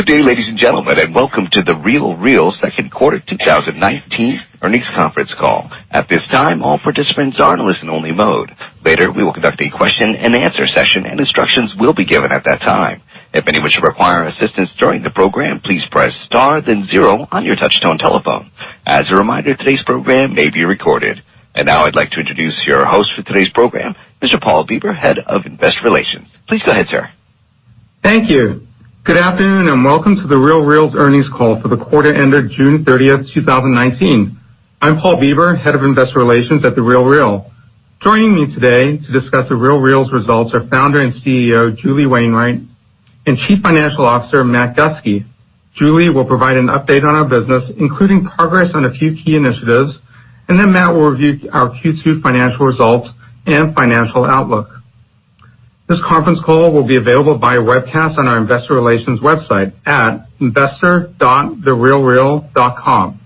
Good day, ladies and gentlemen, and welcome to The RealReal second quarter 2019 earnings conference call. At this time, all participants are in listen only mode. Later, we will conduct a question and answer session, and instructions will be given at that time. If any of you require assistance during the program, please press star then zero on your touchtone telephone. As a reminder, today's program may be recorded. Now I'd like to introduce your host for today's program, Mr. Paul Bieber, Head of Investor Relations. Please go ahead, sir. Thank you. Good afternoon, and welcome to The RealReal's earnings call for the quarter ended June 30th, 2019. I'm Paul Bieber, Head of Investor Relations at The RealReal. Joining me today to discuss The RealReal's results are Founder and CEO, Julie Wainwright, and Chief Financial Officer, Matt Gustke. Julie will provide an update on our business, including progress on a few key initiatives, and then Matt will review our Q2 financial results and financial outlook. This conference call will be available by webcast on our investor relations website at investor.therealreal.com.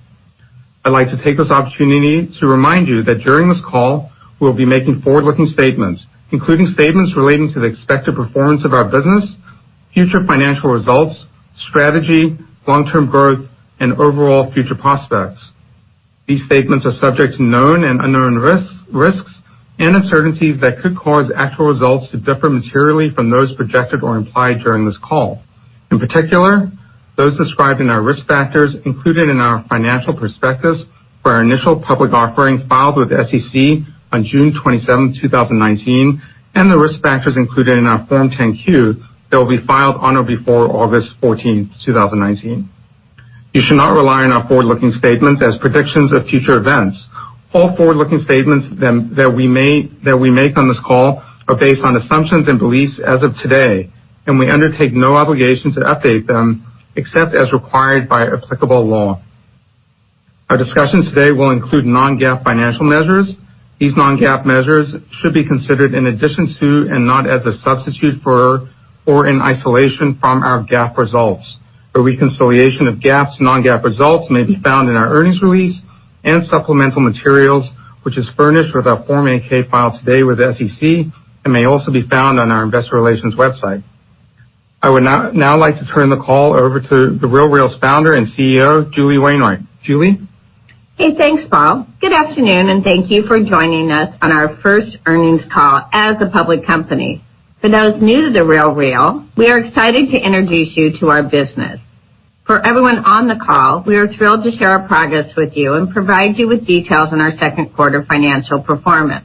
I'd like to take this opportunity to remind you that during this call, we'll be making forward-looking statements, including statements relating to the expected performance of our business, future financial results, strategy, long-term growth, and overall future prospects. These statements are subject to known and unknown risks and uncertainties that could cause actual results to differ materially from those projected or implied during this call. In particular, those described in our risk factors included in our financial perspectives for our initial public offering filed with the SEC on June 27th, 2019, and the risk factors included in our Form 10-Q that will be filed on or before August 14th, 2019. You should not rely on our forward-looking statements as predictions of future events. All forward-looking statements that we make on this call are based on assumptions and beliefs as of today, and we undertake no obligation to update them except as required by applicable law. Our discussion today will include non-GAAP financial measures. These non-GAAP measures should be considered in addition to, and not as a substitute for or in isolation from our GAAP results. A reconciliation of GAAP to non-GAAP results may be found in our earnings release and supplemental materials, which is furnished with our Form 8-K filed today with the SEC and may also be found on our investor relations website. I would now like to turn the call over to The RealReal's founder and CEO, Julie Wainwright. Julie? Hey, thanks, Paul. Good afternoon, thank you for joining us on our first earnings call as a public company. For those new to The RealReal, we are excited to introduce you to our business. For everyone on the call, we are thrilled to share our progress with you and provide you with details on our second quarter financial performance.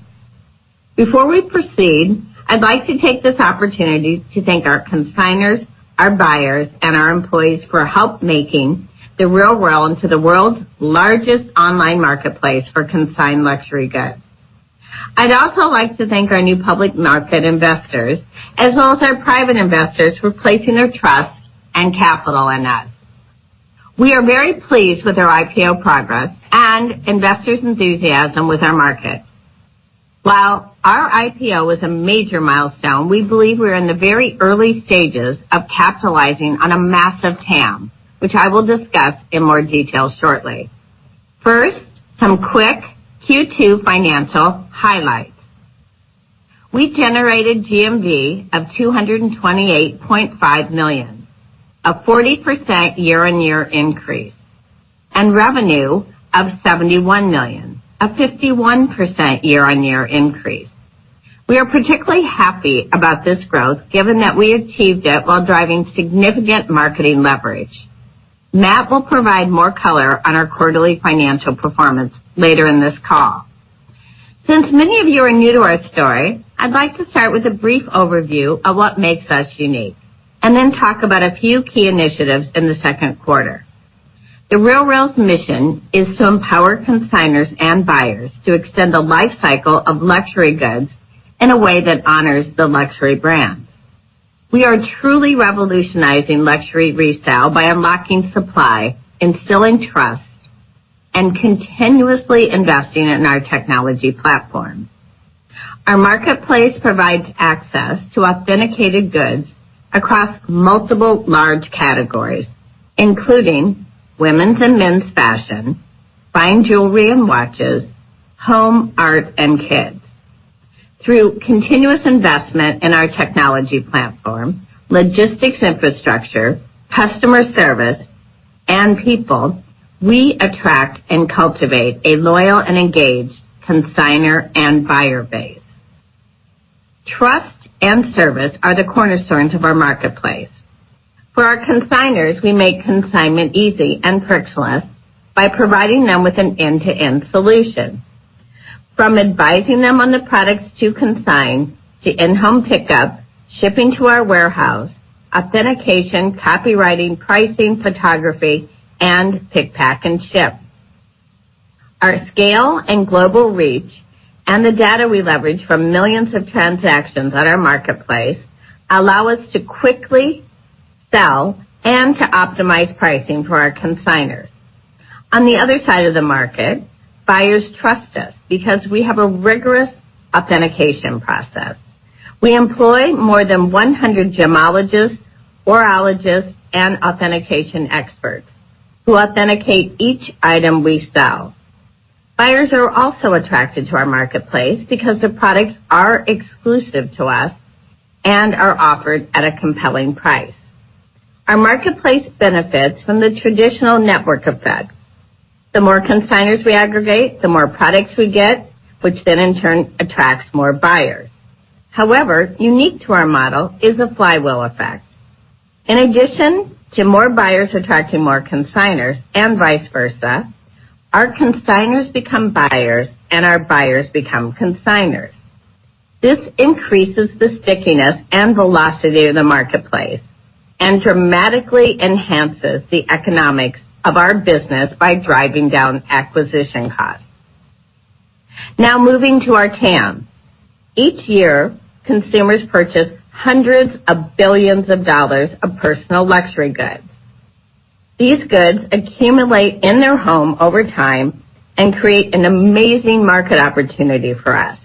Before we proceed, I'd like to take this opportunity to thank our consignors, our buyers, and our employees for help making The RealReal into the world's largest online marketplace for consigned luxury goods. I'd also like to thank our new public market investors, as well as our private investors for placing their trust and capital in us. We are very pleased with our IPO progress and investors' enthusiasm with our market. While our IPO is a major milestone, we believe we're in the very early stages of capitalizing on a massive TAM, which I will discuss in more detail shortly. First, some quick Q2 financial highlights. We generated GMV of $228.5 million, a 40% year-over-year increase, and revenue of $71 million, a 51% year-over-year increase. We are particularly happy about this growth given that we achieved it while driving significant marketing leverage. Matt will provide more color on our quarterly financial performance later in this call. Since many of you are new to our story, I'd like to start with a brief overview of what makes us unique, and then talk about a few key initiatives in the second quarter. The RealReal's mission is to empower consignors and buyers to extend the life cycle of luxury goods in a way that honors the luxury brand. We are truly revolutionizing luxury resale by unlocking supply, instilling trust, and continuously investing in our technology platform. Our marketplace provides access to authenticated goods across multiple large categories, including women's and men's fashion, fine jewelry and watches, home, art, and kids. Through continuous investment in our technology platform, logistics infrastructure, customer service, and people, we attract and cultivate a loyal and engaged consignor and buyer base. Trust and service are the cornerstones of our marketplace. For our consignors, we make consignment easy and frictionless by providing them with an end-to-end solution. From advising them on the products to consign, to in-home pickup, shipping to our warehouse, authentication, copywriting, pricing, photography, and pick, pack, and ship. Our scale and global reach and the data we leverage from millions of transactions on our marketplace allow us to quickly sell and to optimize pricing for our consignors. On the other side of the market, buyers trust us because we have a rigorous authentication process. We employ more than 100 gemologists, horologists, and authentication experts who authenticate each item we sell. Buyers are also attracted to our marketplace because the products are exclusive to us and are offered at a compelling price. Our marketplace benefits from the traditional network effect. The more consignors we aggregate, the more products we get, which then, in turn, attracts more buyers. However, unique to our model is the flywheel effect. In addition to more buyers attracting more consignors and vice versa, our consignors become buyers, and our buyers become consignors. This increases the stickiness and velocity of the marketplace and dramatically enhances the economics of our business by driving down acquisition costs. Now, moving to our TAM. Each year, consumers purchase hundreds of billions of dollars of personal luxury goods. These goods accumulate in their home over time and create an amazing market opportunity for us.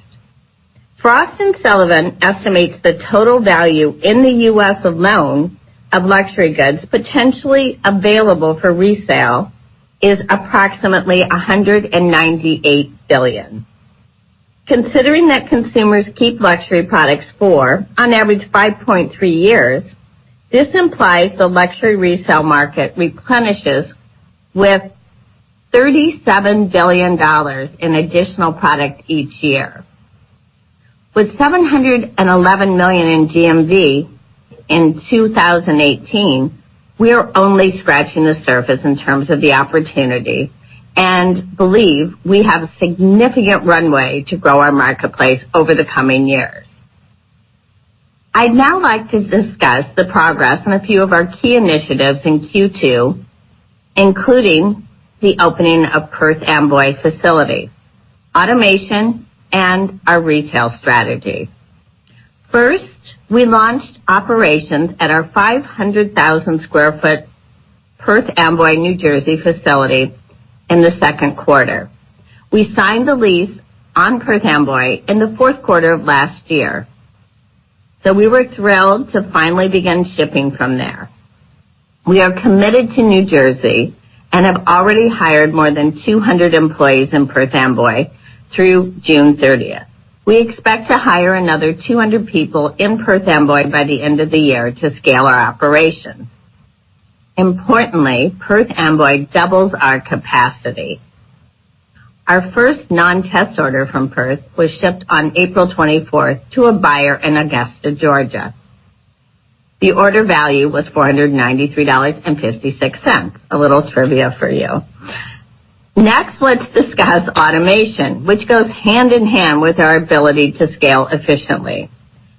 Frost & Sullivan estimates the total value in the U.S. alone of luxury goods potentially available for resale is approximately $198 billion. Considering that consumers keep luxury products for, on average, 5.3 years, this implies the luxury resale market replenishes with $37 billion in additional product each year. With $711 million in GMV in 2018, we are only scratching the surface in terms of the opportunity and believe we have significant runway to grow our marketplace over the coming years. I'd now like to discuss the progress on a few of our key initiatives in Q2, including the opening of Perth Amboy facility, automation, and our retail strategy. First, we launched operations at our 500,000 sq ft Perth Amboy, New Jersey facility in the second quarter. We signed the lease on Perth Amboy in the fourth quarter of last year, we were thrilled to finally begin shipping from there. We are committed to New Jersey and have already hired more than 200 employees in Perth Amboy through June 30th. We expect to hire another 200 people in Perth Amboy by the end of the year to scale our operations. Importantly, Perth Amboy doubles our capacity. Our first non-test order from Perth was shipped on April 24th to a buyer in Augusta, Georgia. The order value was $493.56. A little trivia for you. Next, let's discuss automation, which goes hand-in-hand with our ability to scale efficiently.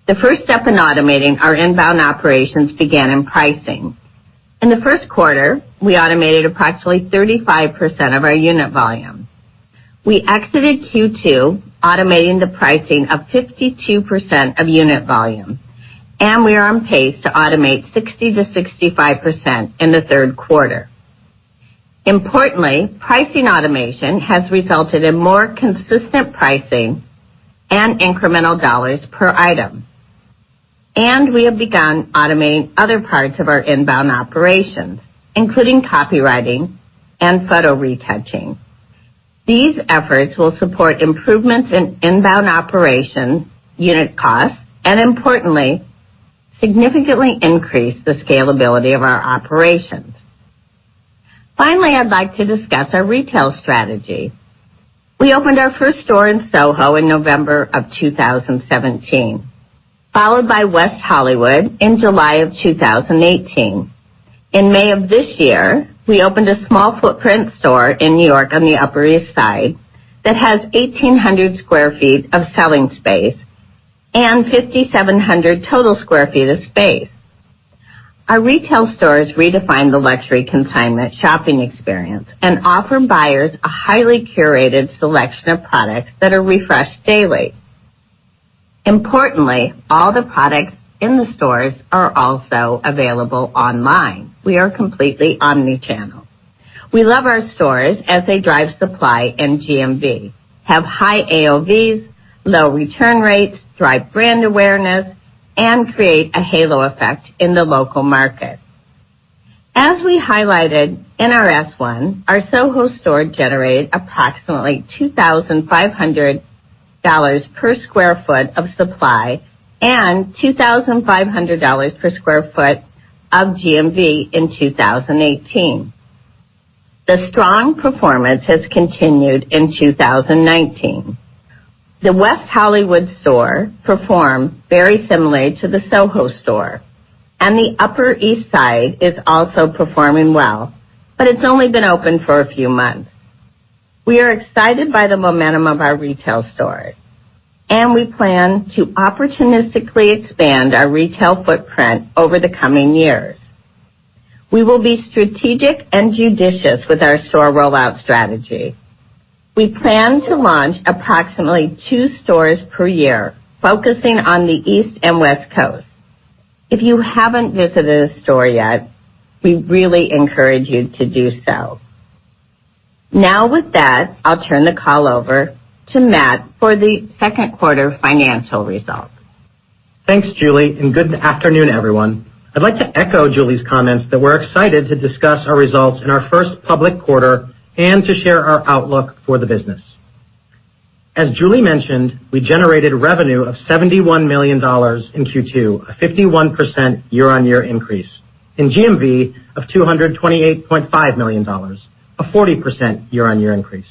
The first step in automating our inbound operations began in pricing. In the first quarter, we automated approximately 35% of our unit volume. We exited Q2 automating the pricing of 52% of unit volume, and we are on pace to automate 60%-65% in the third quarter. Importantly, pricing automation has resulted in more consistent pricing and incremental dollars per item. We have begun automating other parts of our inbound operations, including copywriting and photo retouching. These efforts will support improvements in inbound operations, unit costs, and importantly, significantly increase the scalability of our operations. Finally, I'd like to discuss our retail strategy. We opened our first store in SoHo in November of 2017, followed by West Hollywood in July of 2018. In May of this year, we opened a small footprint store in N.Y. on the Upper East Side that has 1,800 square feet of selling space and 5,700 total square feet of space. Our retail stores redefine the luxury consignment shopping experience and offer buyers a highly curated selection of products that are refreshed daily. Importantly, all the products in the stores are also available online. We are completely omni-channel. We love our stores as they drive supply and GMV, have high AOVs, low return rates, drive brand awareness, and create a halo effect in the local market. As we highlighted in our S-1, our SoHo store generated approximately $2,500 per square foot of supply and $2,500 per square foot of GMV in 2018. The strong performance has continued in 2019. The West Hollywood store performed very similarly to the SoHo store, and the Upper East Side is also performing well, but it's only been open for a few months. We are excited by the momentum of our retail stores, and we plan to opportunistically expand our retail footprint over the coming years. We will be strategic and judicious with our store rollout strategy. We plan to launch approximately two stores per year, focusing on the East and West Coast. If you haven't visited a store yet, we really encourage you to do so. With that, I'll turn the call over to Matt for the second quarter financial results. Thanks, Julie, and good afternoon, everyone. I'd like to echo Julie's comments that we're excited to discuss our results in our first public quarter and to share our outlook for the business. As Julie mentioned, we generated revenue of $71 million in Q2, a 51% year-on-year increase, and GMV of $228.5 million, a 40% year-on-year increase.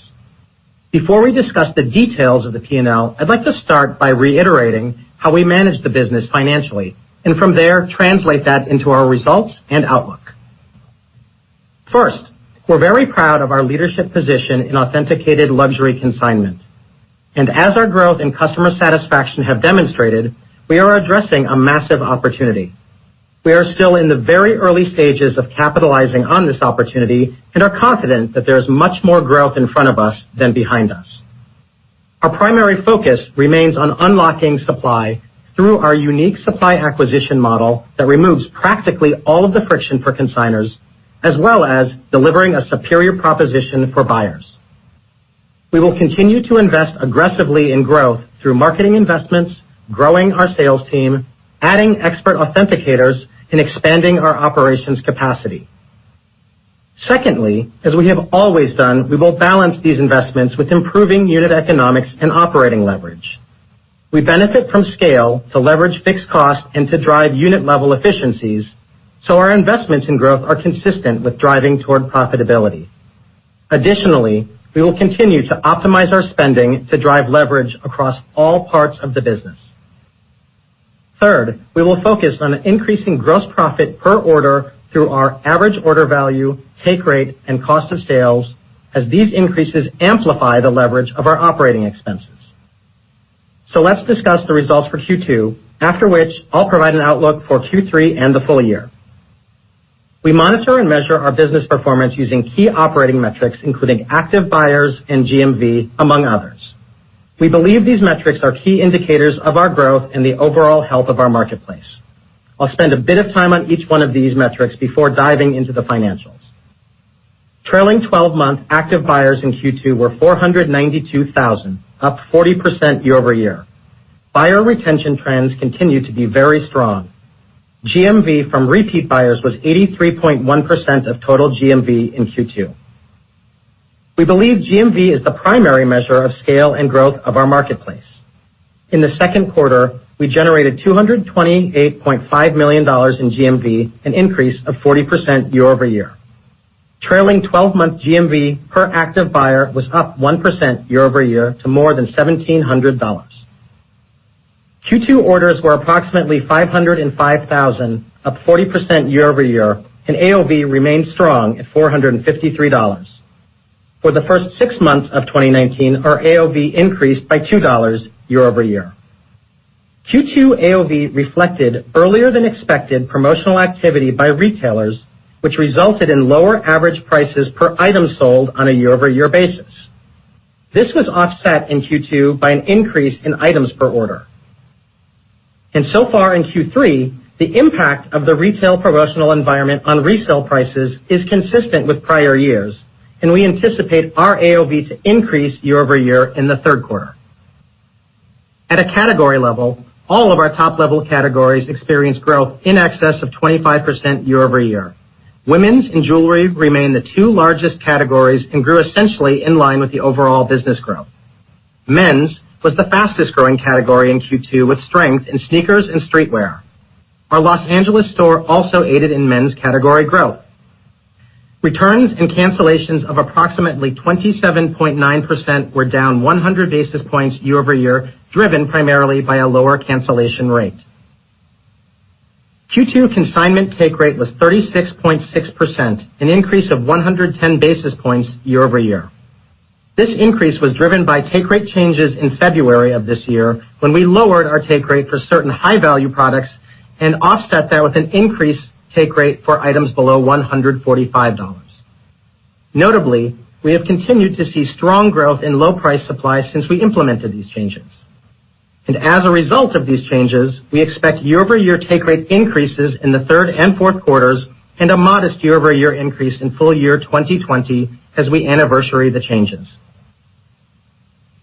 Before we discuss the details of the P&L, I'd like to start by reiterating how we manage the business financially, and from there, translate that into our results and outlook. First, we're very proud of our leadership position in authenticated luxury consignment. As our growth and customer satisfaction have demonstrated, we are addressing a massive opportunity. We are still in the very early stages of capitalizing on this opportunity and are confident that there is much more growth in front of us than behind us. Our primary focus remains on unlocking supply through our unique supply acquisition model that removes practically all of the friction for consignors, as well as delivering a superior proposition for buyers. We will continue to invest aggressively in growth through marketing investments, growing our sales team, adding expert authenticators, and expanding our operations capacity. Secondly, as we have always done, we will balance these investments with improving unit economics and operating leverage. We benefit from scale to leverage fixed cost and to drive unit-level efficiencies, so our investments in growth are consistent with driving toward profitability. Additionally, we will continue to optimize our spending to drive leverage across all parts of the business. Third, we will focus on increasing gross profit per order through our average order value, take rate, and cost of sales, as these increases amplify the leverage of our operating expenses. Let's discuss the results for Q2, after which I'll provide an outlook for Q3 and the full year. We monitor and measure our business performance using key operating metrics, including active buyers and GMV, among others. We believe these metrics are key indicators of our growth and the overall health of our marketplace. I'll spend a bit of time on each one of these metrics before diving into the financials. Trailing 12-month active buyers in Q2 were 492,000, up 40% year-over-year. Buyer retention trends continue to be very strong. GMV from repeat buyers was 83.1% of total GMV in Q2. We believe GMV is the primary measure of scale and growth of our marketplace. In the second quarter, we generated $228.5 million in GMV, an increase of 40% year-over-year. Trailing 12-month GMV per active buyer was up 1% year-over-year to more than $1,700. Q2 orders were approximately 505,000, up 40% year-over-year, and AOV remains strong at $453. For the first six months of 2019, our AOV increased by $2 year-over-year. Q2 AOV reflected earlier-than-expected promotional activity by retailers, which resulted in lower average prices per item sold on a year-over-year basis. This was offset in Q2 by an increase in items per order. So far in Q3, the impact of the retail promotional environment on resale prices is consistent with prior years, and we anticipate our AOV to increase year-over-year in the third quarter. At a category level, all of our top-level categories experienced growth in excess of 25% year-over-year. Women's and jewelry remain the two largest categories and grew essentially in line with the overall business growth. Men's was the fastest-growing category in Q2, with strength in sneakers and streetwear. Our L.A. store also aided in men's category growth. Returns and cancellations of approximately 27.9% were down 100 basis points year-over-year, driven primarily by a lower cancellation rate. Q2 consignment take rate was 36.6%, an increase of 110 basis points year-over-year. This increase was driven by take rate changes in February of this year, when we lowered our take rate for certain high-value products and offset that with an increased take rate for items below $145. Notably, we have continued to see strong growth in low price supply since we implemented these changes. As a result of these changes, we expect year-over-year take rate increases in the third and fourth quarters, and a modest year-over-year increase in full year 2020 as we anniversary the changes.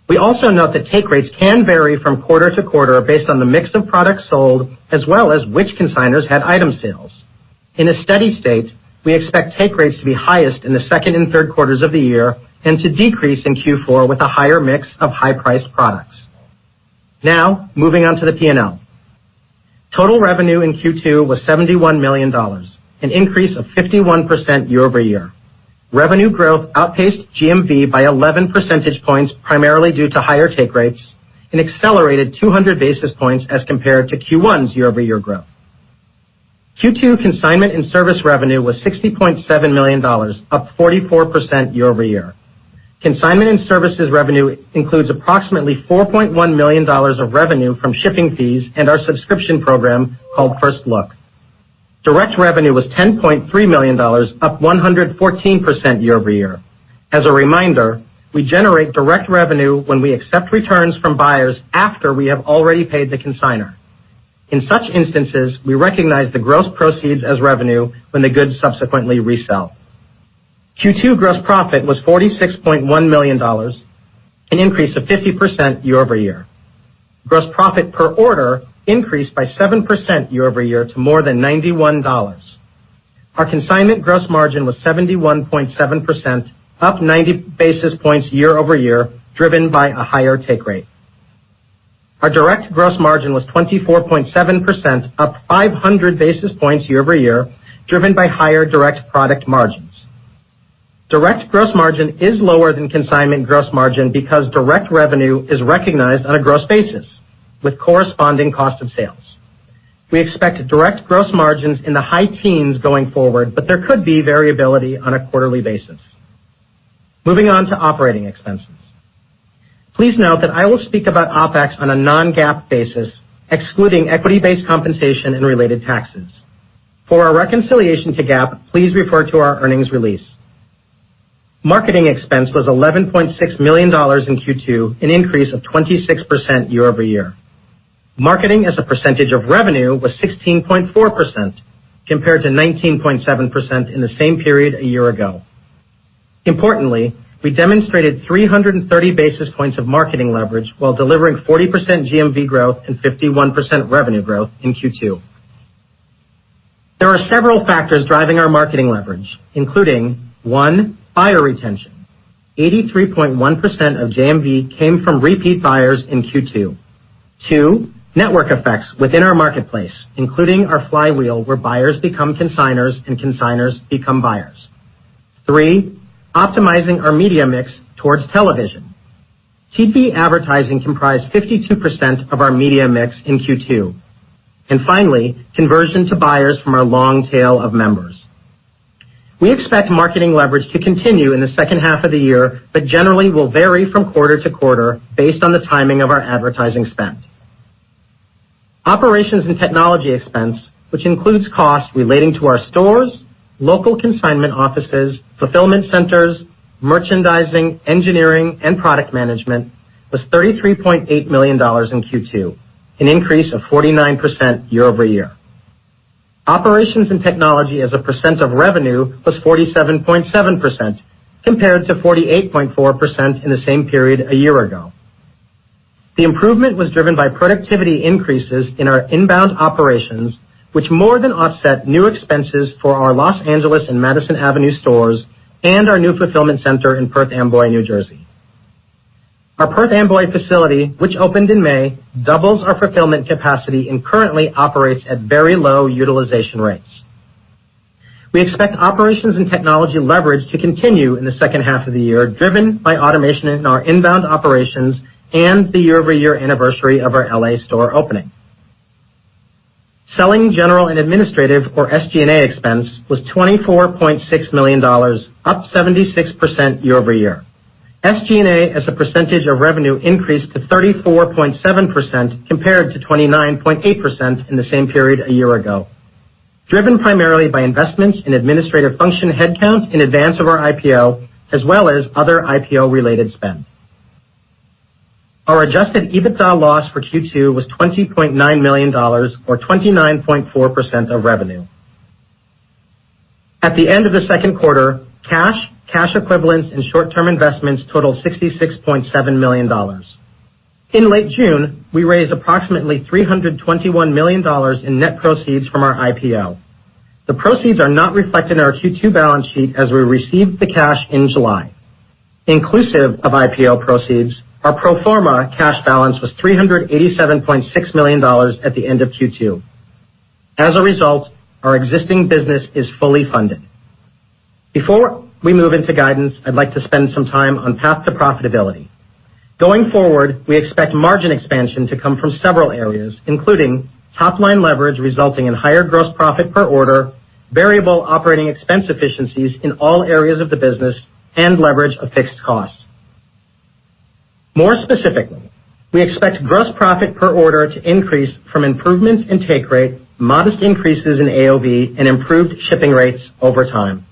We also note that take rates can vary from quarter-to-quarter based on the mix of products sold, as well as which consignors had item sales. In a steady state, we expect take rates to be highest in the second and third quarters of the year, and to decrease in Q4 with a higher mix of high-priced products. Now, moving on to the P&L. Total revenue in Q2 was $71 million, an increase of 51% year-over-year. Revenue growth outpaced GMV by 11 percentage points, primarily due to higher take rates, and accelerated 200 basis points as compared to Q1's year-over-year growth. Q2 consignment and service revenue was $60.7 million, up 44% year-over-year. Consignment and services revenue includes approximately $4.1 million of revenue from shipping fees and our subscription program called First Look. Direct revenue was $10.3 million, up 114% year-over-year. As a reminder, we generate direct revenue when we accept returns from buyers after we have already paid the consignor. In such instances, we recognize the gross proceeds as revenue when the goods subsequently resell. Q2 gross profit was $46.1 million, an increase of 50% year-over-year. Gross profit per order increased by 7% year-over-year to more than $91. Our consignment gross margin was 71.7%, up 90 basis points year-over-year, driven by a higher take rate. Our direct gross margin was 24.7%, up 500 basis points year-over-year, driven by higher direct product margins. Direct gross margin is lower than consignment gross margin because direct revenue is recognized on a gross basis, with corresponding cost of sales. We expect direct gross margins in the high teens going forward, there could be variability on a quarterly basis. Moving on to operating expenses. Please note that I will speak about OpEx on a non-GAAP basis, excluding equity-based compensation and related taxes. For our reconciliation to GAAP, please refer to our earnings release. Marketing expense was $11.6 million in Q2, an increase of 26% year-over-year. Marketing as a percentage of revenue was 16.4%, compared to 19.7% in the same period a year ago. Importantly, we demonstrated 330 basis points of marketing leverage while delivering 40% GMV growth and 51% revenue growth in Q2. There are several factors driving our marketing leverage, including, one, buyer retention. 83.1% of GMV came from repeat buyers in Q2. Two, network effects within our marketplace, including our flywheel, where buyers become consignors and consignors become buyers. Three, optimizing our media mix towards television. TV advertising comprised 52% of our media mix in Q2. Finally, conversion to buyers from our long tail of members. We expect marketing leverage to continue in the second half of the year, but generally will vary from quarter to quarter, based on the timing of our advertising spend. Operations and technology expense, which includes costs relating to our stores, local consignment offices, fulfillment centers, merchandising, engineering, and product management, was $33.8 million in Q2, an increase of 49% year-over-year. Operations and technology as a % of revenue was 47.7%, compared to 48.4% in the same period a year ago. The improvement was driven by productivity increases in our inbound operations, which more than offset new expenses for our Los Angeles and Madison Avenue stores, and our new fulfillment center in Perth Amboy, New Jersey. Our Perth Amboy facility, which opened in May, doubles our fulfillment capacity and currently operates at very low utilization rates. We expect operations and technology leverage to continue in the second half of the year, driven by automation in our inbound operations and the year-over-year anniversary of our L.A. store opening. Selling general and administrative, or SG&A expense, was $24.6 million, up 76% year-over-year. SG&A as a percentage of revenue increased to 34.7%, compared to 29.8% in the same period a year ago, driven primarily by investments in administrative function headcount in advance of our IPO, as well as other IPO-related spend. Our adjusted EBITDA loss for Q2 was $20.9 million, or 29.4% of revenue. At the end of the second quarter, cash equivalents, and short-term investments totaled $66.7 million. In late June, we raised approximately $321 million in net proceeds from our IPO. The proceeds are not reflected in our Q2 balance sheet, as we received the cash in July. Inclusive of IPO proceeds, our pro forma cash balance was $387.6 million at the end of Q2. Our existing business is fully funded. Before we move into guidance, I'd like to spend some time on path to profitability. We expect margin expansion to come from several areas, including top-line leverage resulting in higher gross profit per order, variable operating expense efficiencies in all areas of the business, and leverage of fixed costs. We expect gross profit per order to increase from improvements in take rate, modest increases in AOV, and improved shipping rates over time.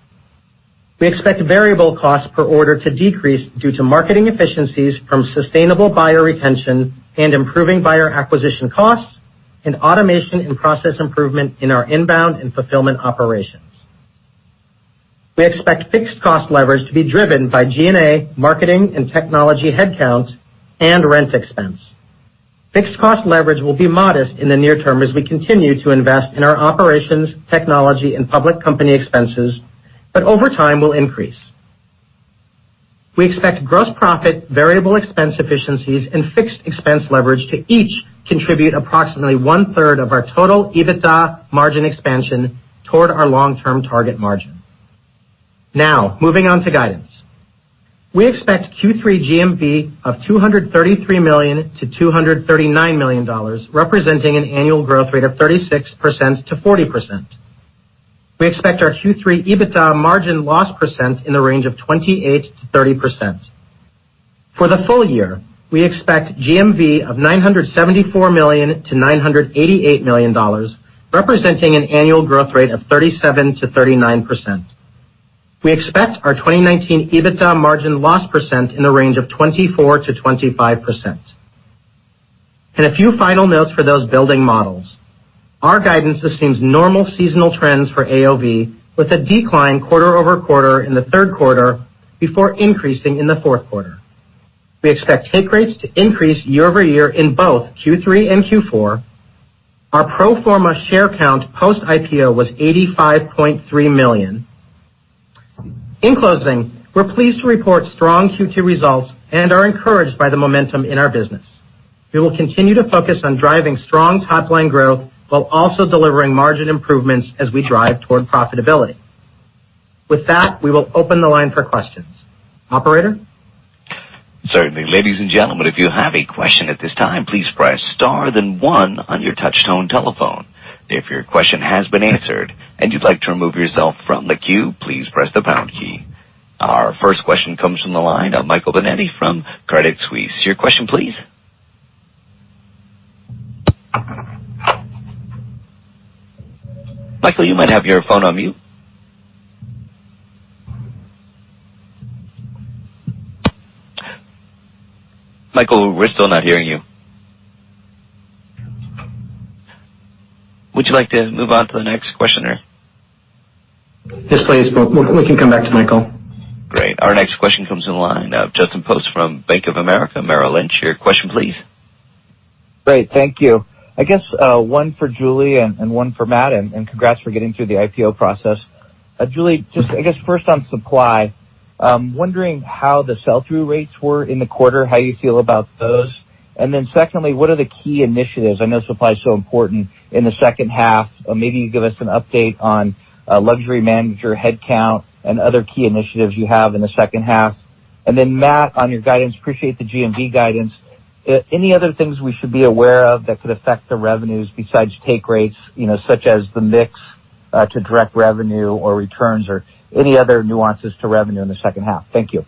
We expect variable costs per order to decrease due to marketing efficiencies from sustainable buyer retention and improving buyer acquisition costs, and automation and process improvement in our inbound and fulfillment operations. We expect fixed cost leverage to be driven by G&A, marketing, and technology headcount, and rent expense. Fixed cost leverage will be modest in the near term as we continue to invest in our operations, technology, and public company expenses, but over time will increase. We expect gross profit, variable expense efficiencies, and fixed expense leverage to each contribute approximately one-third of our total EBITDA margin expansion toward our long-term target margin. Now, moving on to guidance. We expect Q3 GMV of $233 million-$239 million, representing an annual growth rate of 36%-40%. We expect our Q3 EBITDA margin loss % in the range of 28%-30%. For the full year, we expect GMV of $974 million-$988 million, representing an annual growth rate of 37%-39%. We expect our 2019 EBITDA margin loss percent in the range of 24%-25%. A few final notes for those building models. Our guidance assumes normal seasonal trends for AOV, with a decline quarter-over-quarter in the third quarter before increasing in the fourth quarter. We expect take rates to increase year-over-year in both Q3 and Q4. Our pro forma share count post-IPO was 85.3 million. In closing, we're pleased to report strong Q2 results and are encouraged by the momentum in our business. We will continue to focus on driving strong top-line growth while also delivering margin improvements as we drive toward profitability. With that, we will open the line for questions. Operator? Certainly. Ladies and gentlemen, if you have a question at this time, please press star then one on your touch-tone telephone. If your question has been answered and you'd like to remove yourself from the queue, please press the pound key. Our first question comes from the line of Michael Binetti from Credit Suisse. Your question please. Michael, you might have your phone on mute. Michael, we're still not hearing you. Would you like to move on to the next question, or? Yes, please. We can come back to Michael. Great. Our next question comes in the line of Justin Post from Bank of America Merrill Lynch. Your question please. Great. Thank you. I guess, one for Julie and one for Matt, and congrats for getting through the IPO process. Julie, just, I guess first on supply, I'm wondering how the sell-through rates were in the quarter, how you feel about those. Secondly, what are the key initiatives, I know supply is so important, in the second half? Maybe you give us an update on Luxury Manager headcount and other key initiatives you have in the second half. Matt, on your guidance, appreciate the GMV guidance. Any other things we should be aware of that could affect the revenues besides take rates, such as the mix to direct revenue or returns or any other nuances to revenue in the second half? Thank you.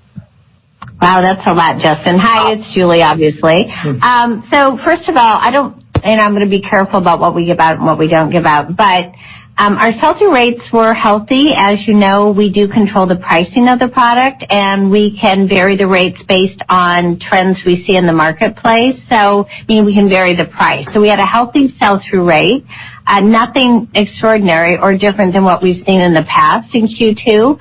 Wow, that's a lot, Justin. Hi, it's Julie, obviously. First of all, I'm going to be careful about what we give out and what we don't give out, but our sell-through rates were healthy. As you know, we do control the pricing of the product, and we can vary the rates based on trends we see in the marketplace. We can vary the price. We had a healthy sell-through rate. Nothing extraordinary or different than what we've seen in the past in Q2.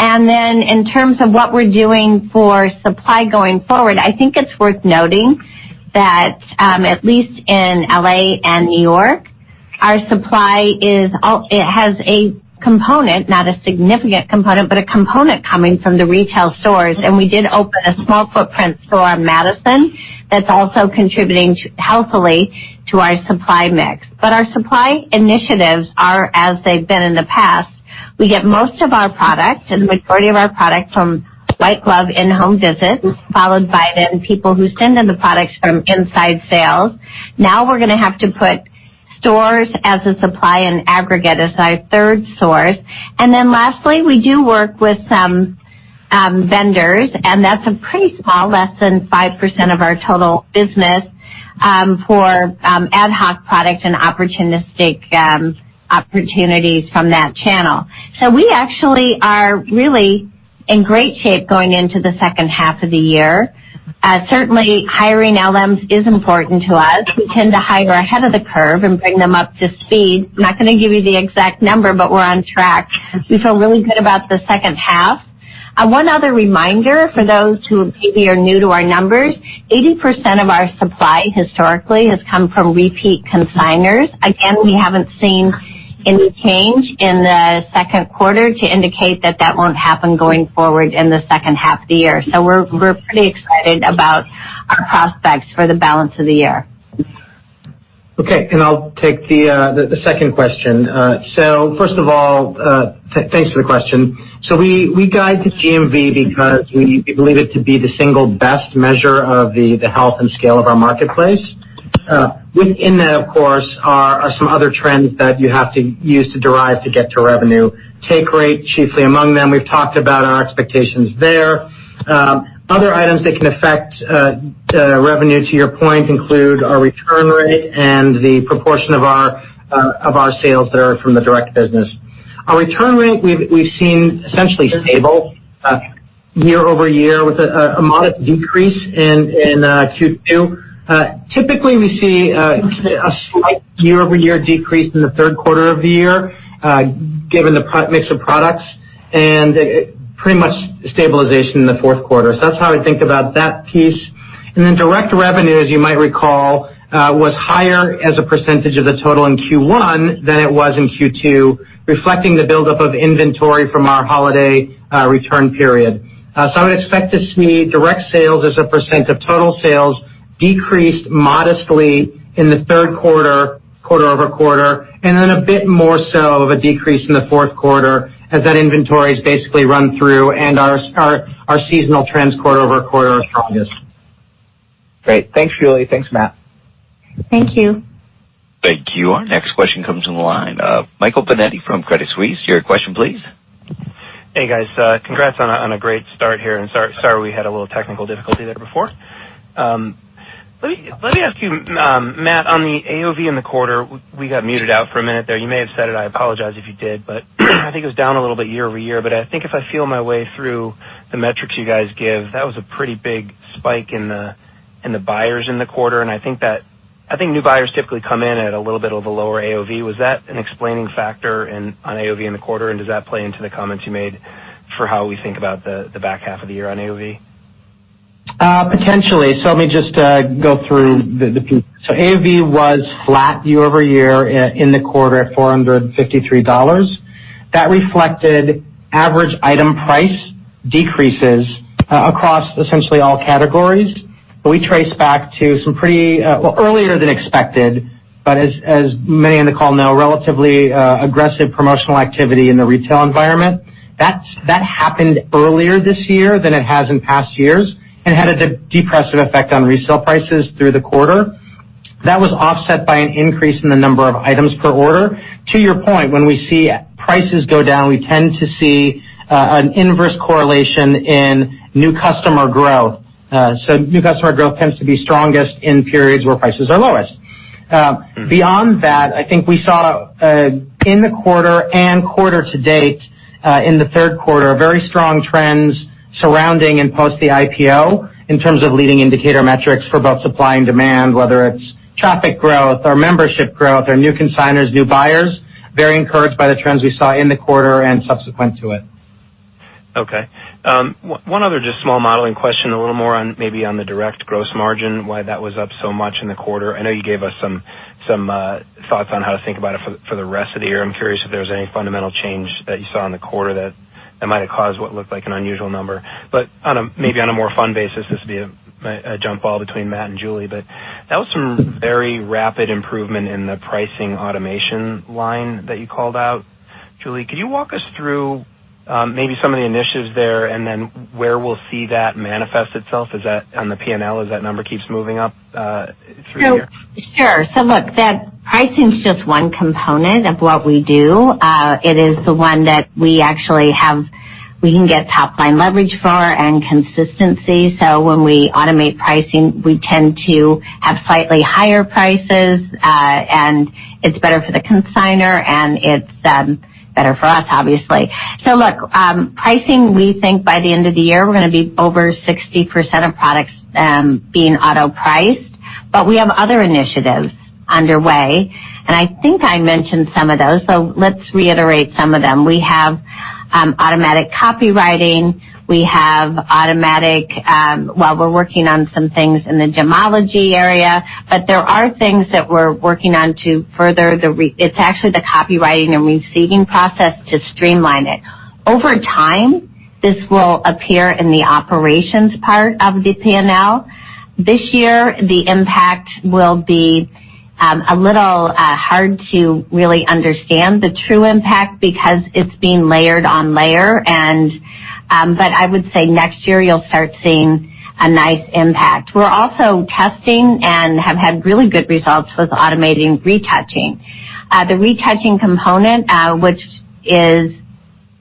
In terms of what we're doing for supply going forward, I think it's worth noting that, at least in L.A. and New York, our supply has a component, not a significant component, but a component coming from the retail stores. We did open a small footprint store on Madison that's also contributing healthily to our supply mix. Our supply initiatives are as they've been in the past. We get most of our product and the majority of our product from white glove in-home visits, followed by then people who send in the products from inside sales. We're going to have to put stores as a supply and aggregate as our third source. Lastly, we do work with some vendors, and that's a pretty small, less than 5% of our total business, for ad hoc product and opportunistic opportunities from that channel. We actually are really in great shape going into the second half of the year. Certainly, hiring LMs is important to us. We tend to hire ahead of the curve and bring them up to speed. I'm not going to give you the exact number, but we're on track. We feel really good about the second half. One other reminder for those who maybe are new to our numbers, 80% of our supply historically has come from repeat consignors. We haven't seen any change in the second quarter to indicate that that won't happen going forward in the second half of the year. We're pretty excited about our prospects for the balance of the year. Okay, I'll take the second question. First of all, thanks for the question. We guide to GMV because we believe it to be the single best measure of the health and scale of our marketplace. Within that, of course, are some other trends that you have to use to derive to get to revenue. Take rate, chiefly among them. We've talked about our expectations there. Other items that can affect revenue, to your point, include our return rate and the proportion of our sales that are from the direct business. Our return rate we've seen essentially stable year-over-year with a modest decrease in Q2. Typically, we see a slight year-over-year decrease in the third quarter of the year, given the mix of products, and pretty much stabilization in the fourth quarter. That's how I think about that piece. Then direct revenue, as you might recall, was higher as a percentage of the total in Q1 than it was in Q2, reflecting the buildup of inventory from our holiday return period. I would expect to see direct sales as a percent of total sales decrease modestly in the third quarter-over-quarter, and then a bit more so of a decrease in the fourth quarter as that inventory is basically run through and our seasonal trends quarter-over-quarter are strongest. Great. Thanks, Julie. Thanks, Matt. Thank you. Thank you. Our next question comes from the line of Michael Binetti from Credit Suisse. Your question please. Hey, guys. Congrats on a great start here, and sorry we had a little technical difficulty there before. Let me ask you, Matt, on the AOV in the quarter. We got muted out for a minute there. You may have said it, I apologize if you did, but I think it was down a little bit year-over-year. I think if I feel my way through the metrics you guys give, that was a pretty big spike in the buyers in the quarter, and I think new buyers typically come in at a little bit of a lower AOV. Was that an explaining factor on AOV in the quarter? Does that play into the comments you made for how we think about the back half of the year on AOV? Potentially. Let me just go through the piece. AOV was flat year-over-year in the quarter at $453. That reflected average item price decreases across essentially all categories. We trace back to some pretty, well, earlier than expected, but as many on the call know, relatively aggressive promotional activity in the retail environment. That happened earlier this year than it has in past years and had a depressive effect on resale prices through the quarter. That was offset by an increase in the number of items per order. To your point, when we see prices go down, we tend to see an inverse correlation in new customer growth. New customer growth tends to be strongest in periods where prices are lowest. Beyond that, I think we saw in the quarter and quarter to date, in the third quarter, very strong trends surrounding and post the IPO in terms of leading indicator metrics for both supply and demand, whether it's traffic growth or membership growth or new consignors, new buyers. Very encouraged by the trends we saw in the quarter and subsequent to it. Okay. One other just small modeling question, a little more on maybe on the direct gross margin, why that was up so much in the quarter. I know you gave us some thoughts on how to think about it for the rest of the year. I'm curious if there was any fundamental change that you saw in the quarter that might have caused what looked like an unusual number. Maybe on a more fun basis, this would be a jump ball between Matt and Julie. That was some very rapid improvement in the pricing automation line that you called out. Julie, could you walk us through maybe some of the initiatives there, and then where we'll see that manifest itself? Is that on the P&L as that number keeps moving up through the year? Sure. Look, that pricing's just one component of what we do. It is the one that we actually have, we can get top-line leverage for and consistency. When we automate pricing, we tend to have slightly higher prices, and it's better for the consignor and it's better for us, obviously. Look, pricing, we think by the end of the year, we're going to be over 60% of products being auto-priced. We have other initiatives underway, and I think I mentioned some of those. Let's reiterate some of them. We have automatic copywriting. We have automatic, well, we're working on some things in the gemology area. There are things that we're working on to further the copywriting and receiving process to streamline it. Over time, this will appear in the operations part of the P&L. This year, the impact will be a little hard to really understand the true impact because it's being layered on layer. I would say next year you'll start seeing a nice impact. We're also testing and have had really good results with automating retouching. The retouching component, which is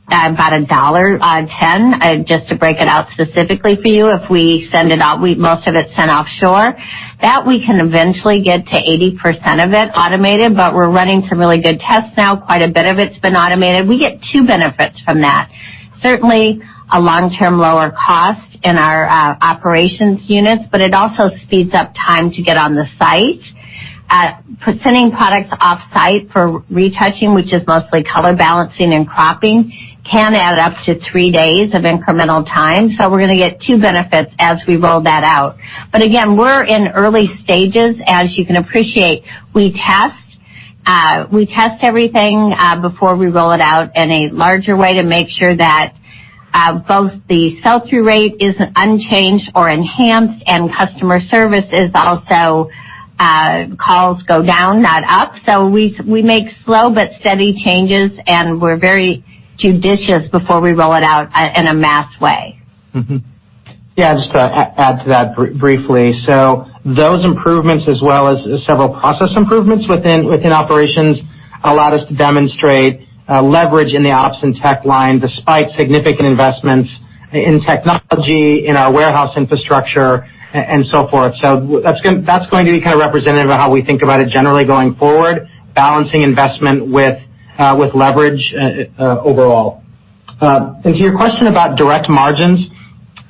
about $1.10, just to break it out specifically for you, if we send it out, most of it's sent offshore. That we can eventually get to 80% of it automated, but we're running some really good tests now. Quite a bit of it's been automated. We get two benefits from that. Certainly, a long-term lower cost in our operations units, but it also speeds up time to get on the site. Sending products offsite for retouching, which is mostly color balancing and cropping, can add up to three days of incremental time. We're going to get two benefits as we roll that out. Again, we're in early stages. As you can appreciate, we test everything before we roll it out in a larger way to make sure that both the sell-through rate is unchanged or enhanced and customer service is also, calls go down, not up. We make slow but steady changes, and we're very judicious before we roll it out in a mass way. Yeah, just to add to that briefly. Those improvements as well as several process improvements within operations allowed us to demonstrate leverage in the ops and tech line, despite significant investments in technology, in our warehouse infrastructure, and so forth. That's going to be kind of representative of how we think about it generally going forward, balancing investment with leverage overall. To your question about direct margins,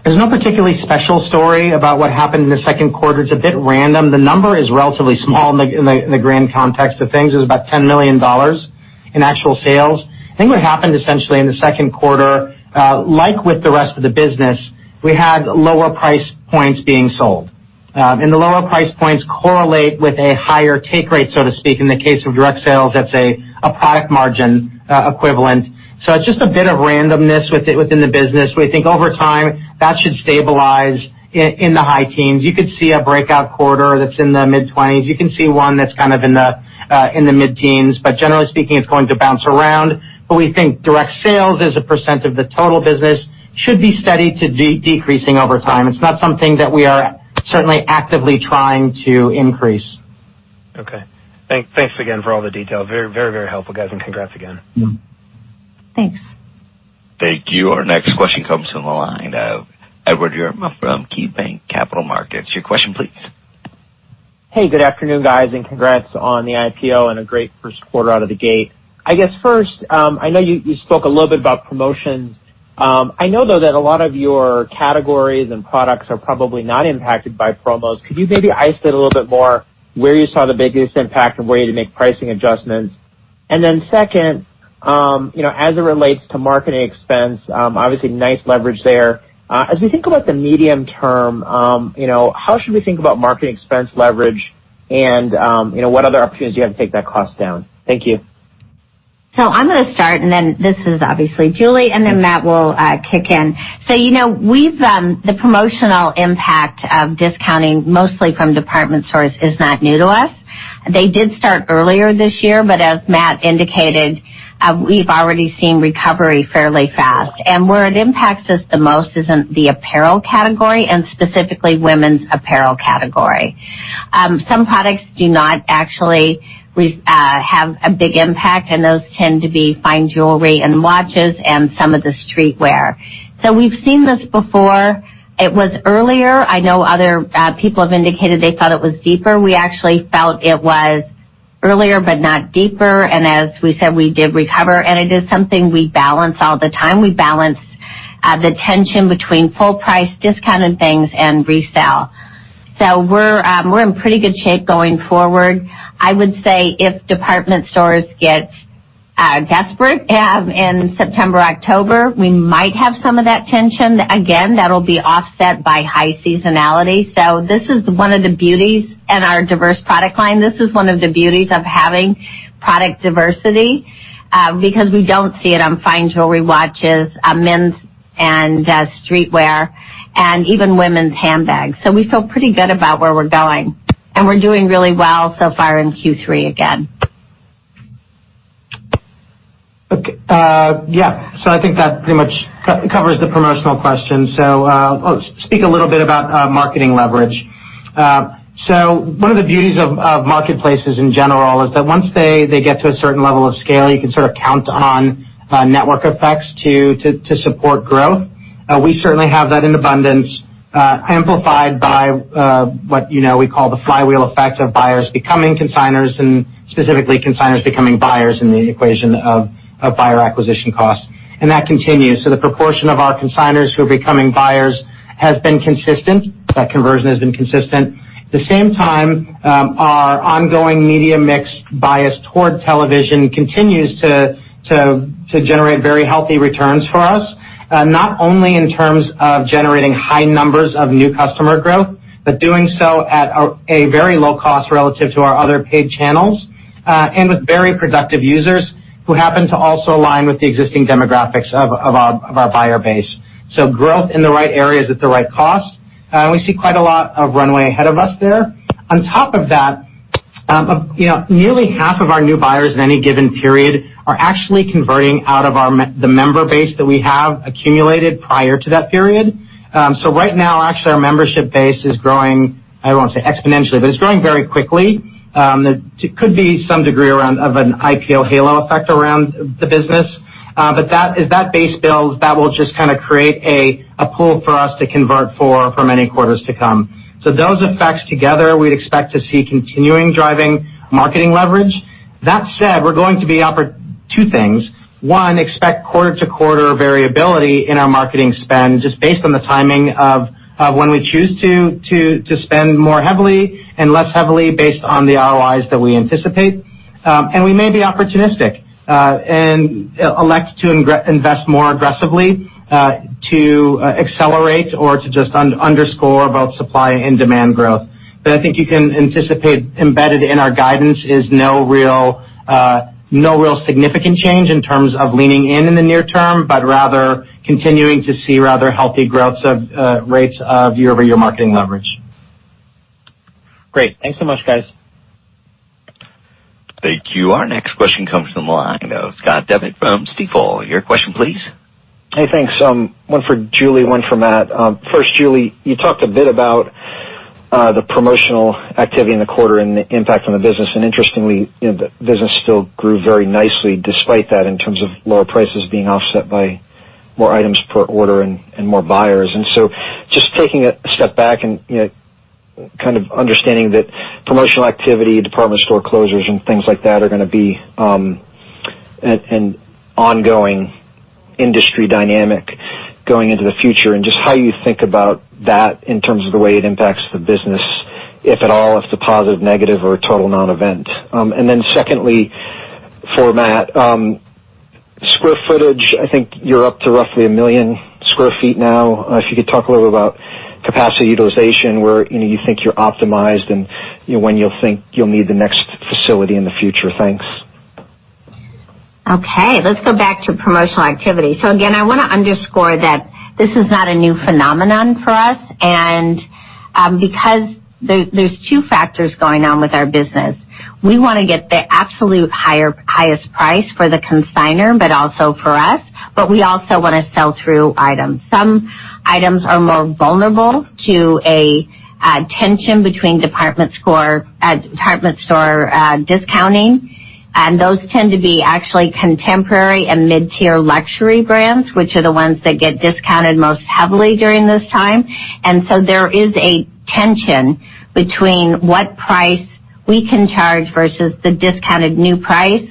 there's no particularly special story about what happened in the second quarter. It's a bit random. The number is relatively small in the grand context of things. It was about $10 million in actual sales. I think what happened essentially in the second quarter, like with the rest of the business, we had lower price points being sold. The lower price points correlate with a higher take rate, so to speak. In the case of direct sales, that's a product margin equivalent. It's just a bit of randomness within the business. We think over time, that should stabilize in the high teens. You could see a breakout quarter that's in the mid-20s. You can see one that's kind of in the mid-teens. Generally speaking, it's going to bounce around. We think direct sales as a % of the total business should be steady to decreasing over time. It's not something that we are certainly actively trying to increase. Okay. Thanks again for all the detail. Very helpful, guys, and congrats again. Thanks. Thank you. Our next question comes from the line of Edward Yruma from KeyBanc Capital Markets. Your question, please. Hey, good afternoon, guys, and congrats on the IPO and a great first quarter out of the gate. I guess first, I know you spoke a little bit about promotions. I know though that a lot of your categories and products are probably not impacted by promos. Could you maybe slice it a little bit more, where you saw the biggest impact and where you had to make pricing adjustments? Second, as it relates to marketing expense, obviously nice leverage there. As we think about the medium term, how should we think about marketing expense leverage and what other opportunities do you have to take that cost down? Thank you. I'm going to start. This is obviously Julie. Matt will kick in. The promotional impact of discounting, mostly from department stores, is not new to us. They did start earlier this year, but as Matt indicated, we've already seen recovery fairly fast. Where it impacts us the most is in the apparel category, specifically, women's apparel category. Some products do not actually have a big impact. Those tend to be fine jewelry and watches, some of the streetwear. We've seen this before. It was earlier. I know other people have indicated they thought it was deeper. We actually felt it was earlier but not deeper. As we said, we did recover. It is something we balance all the time. We balance the tension between full price, discounted things, and resell. We're in pretty good shape going forward. I would say if department stores get desperate in September, October, we might have some of that tension. Again, that'll be offset by high seasonality. This is one of the beauties in our diverse product line. This is one of the beauties of having product diversity, because we don't see it on fine jewelry, watches, men's and streetwear, and even women's handbags. We feel pretty good about where we're going. We're doing really well so far in Q3 again. Okay. Yeah. I think that pretty much covers the promotional question. I'll speak a little bit about marketing leverage. One of the beauties of marketplaces in general is that once they get to a certain level of scale, you can sort of count on network effects to support growth. We certainly have that in abundance, amplified by what we call the flywheel effect of buyers becoming consignors and specifically consignors becoming buyers in the equation of buyer acquisition costs. That continues. The proportion of our consignors who are becoming buyers has been consistent. That conversion has been consistent. The same time, our ongoing media mix bias toward television continues to generate very healthy returns for us, not only in terms of generating high numbers of new customer growth, but doing so at a very low cost relative to our other paid channels, and with very productive users who happen to also align with the existing demographics of our buyer base. Growth in the right areas at the right cost. We see quite a lot of runway ahead of us there. On top of that, nearly half of our new buyers in any given period are actually converting out of the member base that we have accumulated prior to that period. Right now, actually, our membership base is growing, I don't want to say exponentially, but it's growing very quickly. It could be some degree around of an IPO halo effect around the business. As that base builds, that will just kind of create a pool for us to convert for many quarters to come. Those effects together, we'd expect to see continuing driving marketing leverage. That said, we're going to be two things. One, expect quarter-to-quarter variability in our marketing spend, just based on the timing of when we choose to spend more heavily and less heavily based on the ROI that we anticipate. We may be opportunistic, and elect to invest more aggressively, to accelerate or to just underscore both supply and demand growth. I think you can anticipate embedded in our guidance is no real significant change in terms of leaning in in the near term, but rather continuing to see rather healthy growth rates of year-over-year marketing leverage. Great. Thanks so much, guys. Thank you. Our next question comes from the line of Scott Devitt from Stifel. Your question please. Hey, thanks. One for Julie, one for Matt. First, Julie, you talked a bit about the promotional activity in the quarter and the impact on the business, interestingly, the business still grew very nicely despite that in terms of lower prices being offset by more items per order and more buyers. Just taking a step back and kind of understanding that promotional activity, department store closures and things like that are going to be an ongoing industry dynamic going into the future, just how you think about that in terms of the way it impacts the business, if at all, if it's a positive, negative, or a total non-event. Secondly, for Matt, square footage, I think you're up to roughly 1 million sq ft now. If you could talk a little bit about capacity utilization, where you think you're optimized and when you think you'll need the next facility in the future. Thanks. Let's go back to promotional activity. Again, I want to underscore that this is not a new phenomenon for us, because there's two factors going on with our business. We want to get the absolute highest price for the consignor, but also for us, but we also want to sell through items. Some items are more vulnerable to a tension between department store discounting, those tend to be actually contemporary and mid-tier luxury brands, which are the ones that get discounted most heavily during this time. There is a tension between what price we can charge versus the discounted new price.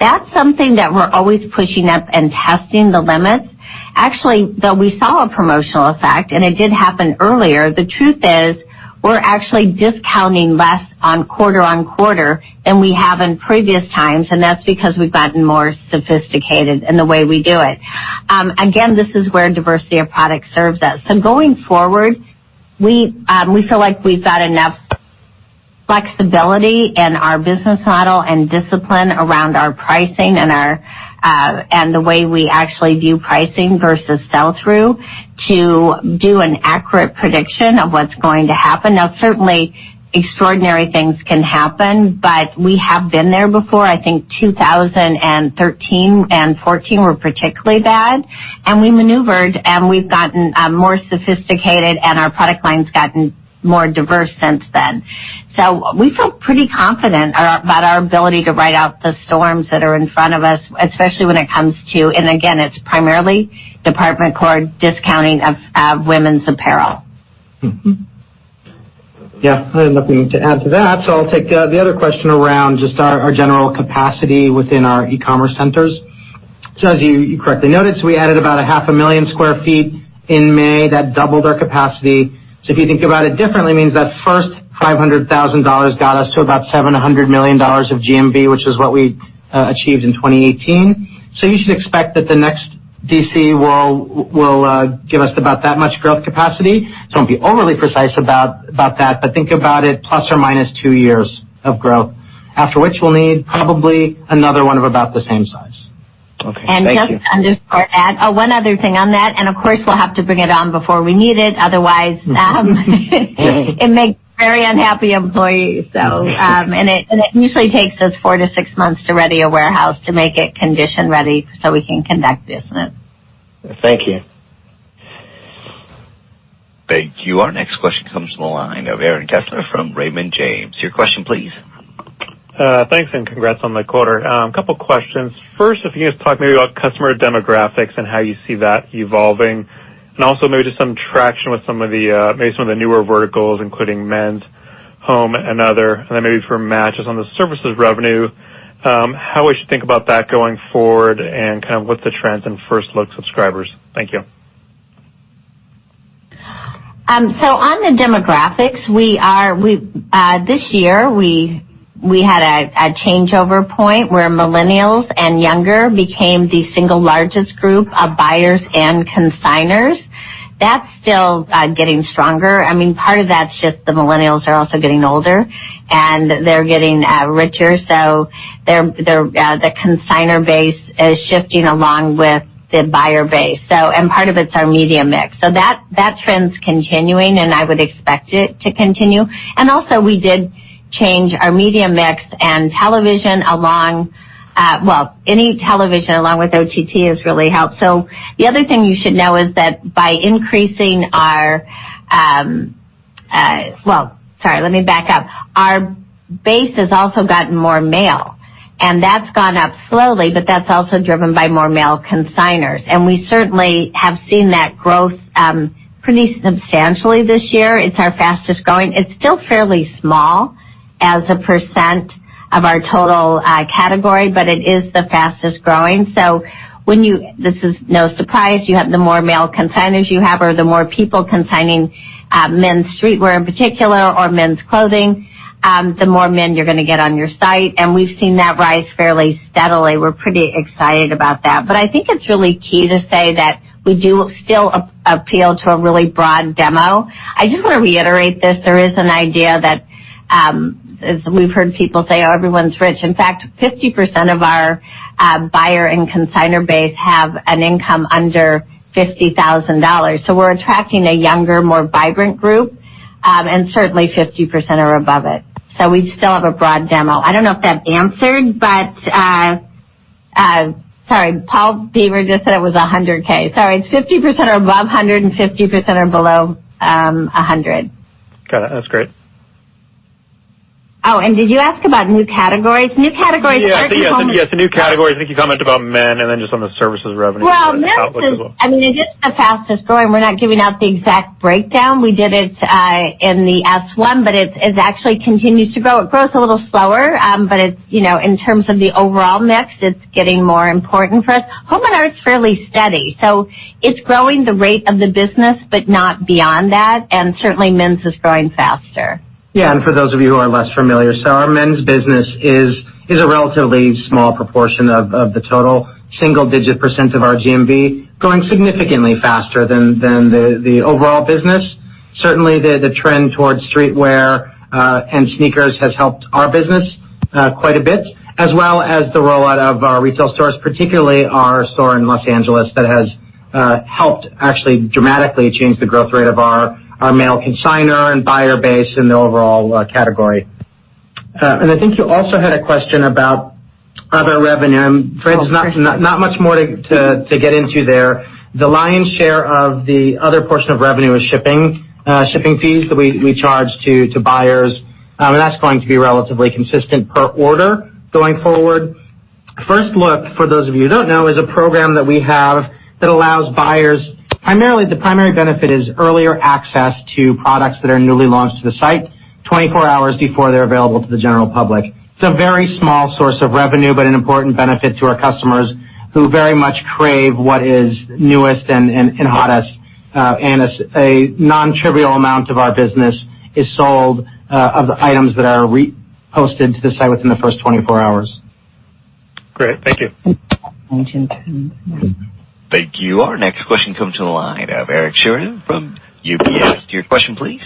That's something that we're always pushing up and testing the limits. Actually, though, we saw a promotional effect, it did happen earlier. The truth is, we're actually discounting less on quarter-on-quarter than we have in previous times, and that's because we've gotten more sophisticated in the way we do it. Again, this is where diversity of product serves us. Going forward, we feel like we've got enough flexibility in our business model and discipline around our pricing and the way we actually view pricing versus sell-through to do an accurate prediction of what's going to happen. Now, certainly, extraordinary things can happen. We have been there before. I think 2013 and 2014 were particularly bad. We maneuvered. We've gotten more sophisticated. Our product line's gotten more diverse since then. We feel pretty confident about our ability to ride out the storms that are in front of us, especially when it comes to, again, it's primarily department store discounting of women's apparel. Yeah. I have nothing to add to that, I'll take the other question around just our general capacity within our e-commerce centers. As you correctly noted, we added about a half a million square feet in May. That doubled our capacity. If you think about it differently, it means that first $500,000 got us to about $700 million of GMV, which is what we achieved in 2018. You should expect that the next DC will give us about that much growth capacity. Don't be overly precise about that, but think about it plus or minus two years of growth, after which we'll need probably another one of about the same size. Okay, thank you. Just to add one other thing on that, and of course, we'll have to bring it on before we need it. Otherwise it makes very unhappy employees. It usually takes us four to six months to ready a warehouse to make it condition ready so we can conduct business. Thank you. Thank you. Our next question comes from the line of Aaron Kessler from Raymond James. Your question please. Thanks. Congrats on the quarter. A couple questions. First, if you could just talk maybe about customer demographics and how you see that evolving, also maybe just some traction with some of the newer verticals, including men's, home, and other. Then maybe for Matt, just on the services revenue, how we should think about that going forward and kind of what the trends in First Look subscribers. Thank you. On the demographics, this year, we had a changeover point where millennials and younger became the single largest group of buyers and consignors. That's still getting stronger. Part of that's just the millennials are also getting older, and they're getting richer. The consignor base is shifting along with the buyer base. Part of it's our media mix. That trend's continuing, and I would expect it to continue. We did change our media mix and any television along with OTT has really helped. The other thing you should know is that by increasing our sorry, let me back up. Our base has also gotten more male, and that's gone up slowly, but that's also driven by more male consignors. We certainly have seen that growth pretty substantially this year. It's our fastest-growing. It's still fairly small as a % of our total category, but it is the fastest-growing. This is no surprise. The more male consignors you have or the more people consigning men's streetwear, in particular, or men's clothing, the more men you're going to get on your site, and we've seen that rise fairly steadily. We're pretty excited about that. I think it's really key to say that we do still appeal to a really broad demo. I just want to reiterate this. There is an idea that, as we've heard people say, "Oh, everyone's rich." In fact, 50% of our buyer and consignor base have an income under $50,000. We're attracting a younger, more vibrant group, and certainly 50% are above it. We still have a broad demo. I don't know if that answered, but Sorry, Paul Bieber just said it was $100,000. Sorry. It's 50% are above 100 and 50% are below 100. Got it. That's great. Oh, did you ask about new categories? Yes. The new categories, I think you commented about men and then just on the services revenue. Well, men's is just the fastest-growing. We're not giving out the exact breakdown. We did it in the S1, it actually continues to grow. It grows a little slower. In terms of the overall mix, it's getting more important for us. Home and art's fairly steady, so it's growing the rate of the business, but not beyond that. Certainly men's is growing faster. For those of you who are less familiar, our men's business is a relatively small proportion of the total single-digit percent of our GMV, growing significantly faster than the overall business. Certainly, the trend towards streetwear and sneakers has helped our business quite a bit, as well as the rollout of our retail stores, particularly our store in Los Angeles, that has helped actually dramatically change the growth rate of our male consignor and buyer base in the overall category. I think you also had a question about other revenue. I'm afraid there's not much more to get into there. The lion's share of the other portion of revenue is shipping fees that we charge to buyers. That's going to be relatively consistent per order going forward. First Look, for those of you who don't know, is a program that we have that allows buyers, primarily, the primary benefit is earlier access to products that are newly launched to the site 24 hours before they're available to the general public. It's a very small source of revenue, but an important benefit to our customers who very much crave what is newest and hottest. A non-trivial amount of our business is sold of the items that are re-posted to the site within the first 24 hours. Great. Thank you. Thank you. Our next question comes to the line of Eric Sheridan from UBS. Your question, please.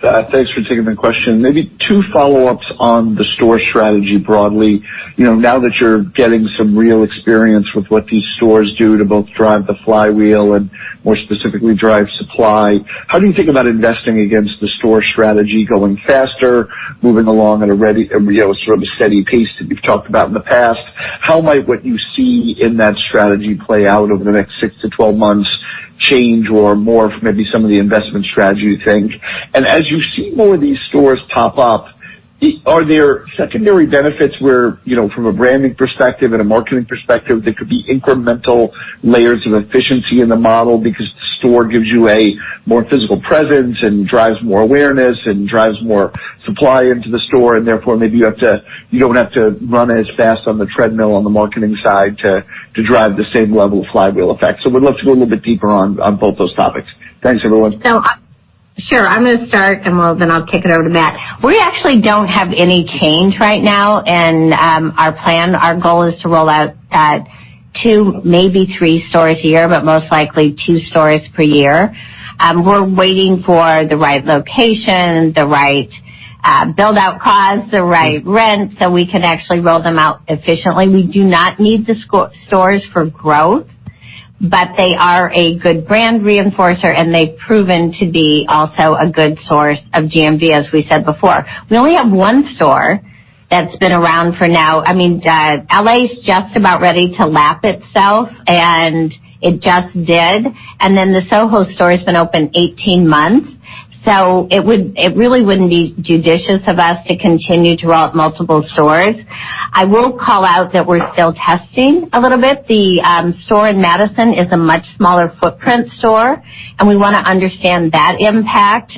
Thanks for taking my question. Maybe two follow-ups on the store strategy broadly. Now that you're getting some real experience with what these stores do to both drive the flywheel and more specifically drive supply, how do you think about investing against the store strategy, going faster, moving along at a sort of a steady pace that you've talked about in the past? How might what you see in that strategy play out over the next six to 12 months change, or more maybe some of the investment strategy things? As you see more of these stores pop up, are there secondary benefits where, from a branding perspective and a marketing perspective, there could be incremental layers of efficiency in the model because the store gives you a more physical presence and drives more awareness and drives more supply into the store, and therefore, maybe you don't have to run as fast on the treadmill on the marketing side to drive the same level of flywheel effect. Would love to go a little bit deeper on both those topics. Thanks, everyone. Sure. I'm going to start, and then I'll kick it over to Matt. We actually don't have any change right now in our plan. Our goal is to roll out two, maybe three stores a year, but most likely two stores per year. We're waiting for the right location, the right build-out costs, the right rent, so we can actually roll them out efficiently. We do not need the stores for growth, but they are a good brand reinforcer, and they've proven to be also a good source of GMV, as we said before. We only have one store that's been around for now. L.A. is just about ready to lap itself, and it just did. The Soho store has been open 18 months, so it really wouldn't be judicious of us to continue to roll out multiple stores. I will call out that we're still testing a little bit. The store in Madison is a much smaller footprint store, and we want to understand that impact,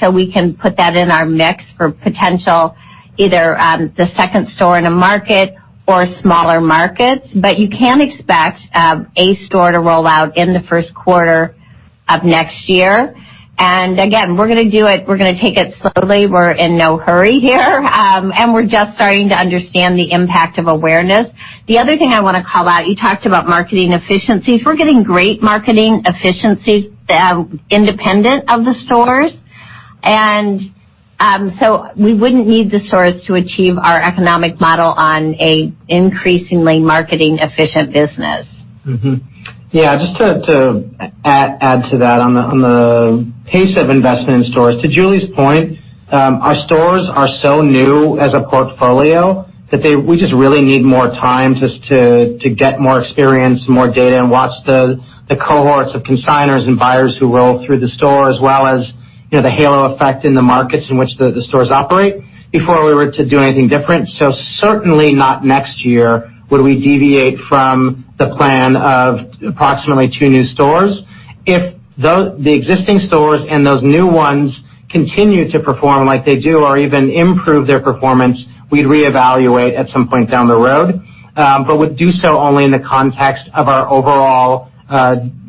so we can put that in our mix for potential, either the second store in a market or smaller markets. You can expect a store to roll out in the first quarter of next year. Again, we're going to do it. We're going to take it slowly. We're in no hurry here, and we're just starting to understand the impact of awareness. The other thing I want to call out, you talked about marketing efficiencies. We're getting great marketing efficiencies independent of the stores. We wouldn't need the stores to achieve our economic model on an increasingly marketing efficient business. Yeah, just to add to that on the pace of investment in stores. To Julie's point, our stores are so new as a portfolio that we just really need more time just to get more experience, more data, and watch the cohorts of consignors and buyers who roll through the store, as well as the halo effect in the markets in which the stores operate before we were to do anything different. Certainly not next year would we deviate from the plan of approximately two new stores. If the existing stores and those new ones continue to perform like they do or even improve their performance, we'd reevaluate at some point down the road. Would do so only in the context of our overall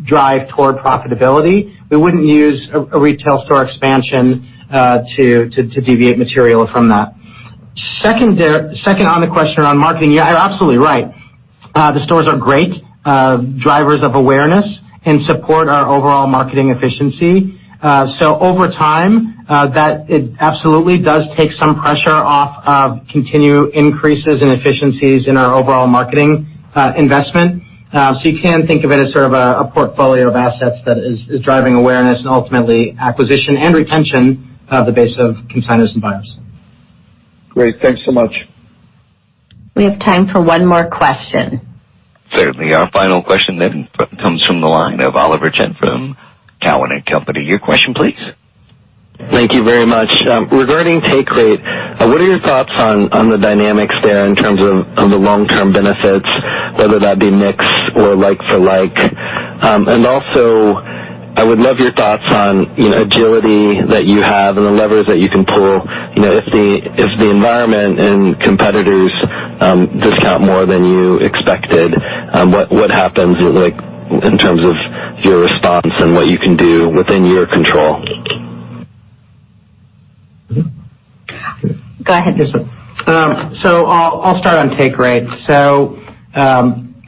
drive toward profitability. We wouldn't use a retail store expansion to deviate materially from that. Second, on the question around marketing, you're absolutely right. The stores are great drivers of awareness and support our overall marketing efficiency. Over time, it absolutely does take some pressure off of continued increases in efficiencies in our overall marketing investment. You can think of it as sort of a portfolio of assets that is driving awareness and ultimately acquisition and retention of the base of consignors and buyers. Great. Thanks so much. We have time for one more question. Certainly. Our final question then comes from the line of Oliver Chen from Cowen and Company. Your question, please. Thank you very much. Regarding take rate, what are your thoughts on the dynamics there in terms of the long-term benefits, whether that be mix or like for like? Also, I would love your thoughts on agility that you have and the levers that you can pull. If the environment and competitors discount more than you expected, what happens in terms of your response and what you can do within your control? Go ahead. I'll start on take rate. Don't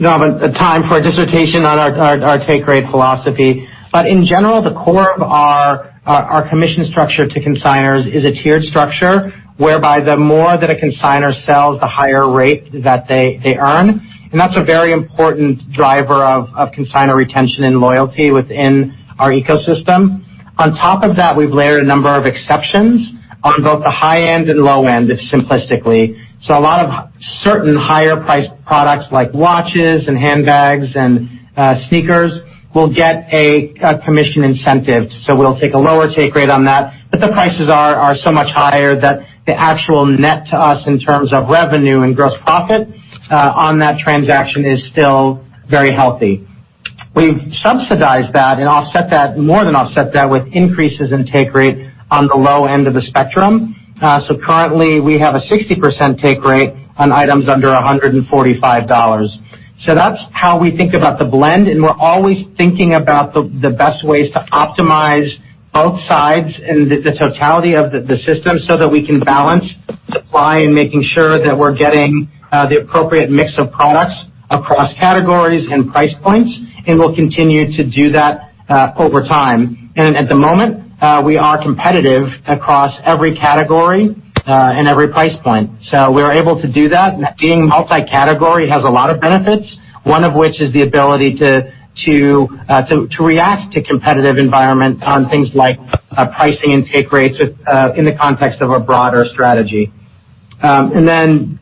have a time for a dissertation on our take rate philosophy. In general, the core of our commission structure to consignors is a tiered structure, whereby the more that a consignor sells, the higher rate that they earn. That's a very important driver of consignor retention and loyalty within our ecosystem. On top of that, we've layered a number of exceptions on both the high end and low end, simplistically. A lot of certain higher priced products like watches and handbags and sneakers will get a commission incentive. We'll take a lower take rate on that. The prices are so much higher that the actual net to us in terms of revenue and gross profit on that transaction is still very healthy. We subsidize that and more than offset that with increases in take rate on the low end of the spectrum. Currently, we have a 60% take rate on items under $145. That's how we think about the blend, and we're always thinking about the best ways to optimize both sides and the totality of the system so that we can balance supply and making sure that we're getting the appropriate mix of products across categories and price points, and we'll continue to do that over time. At the moment, we are competitive across every category and every price point. We are able to do that. Being multi-category has a lot of benefits, one of which is the ability to react to competitive environments on things like pricing and take rates in the context of a broader strategy. Then